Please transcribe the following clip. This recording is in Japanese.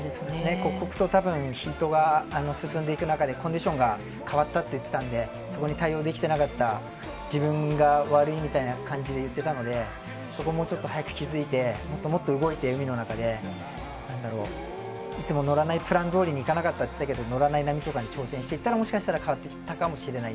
刻々とヒートが進んでいく中で、コンディションが変わったって言ってたんで、そこに対応できてなかった自分が悪いみたいな感じで言ってたので、そこをもうちょっと早く気付いて、もっともっと動いて、海の中で、なんだろう、いつも乗らないプランどおりにいかなかったって言ってたけど、乗らない波とかに挑戦していったら、もしかしたら変わっていったかもしれない。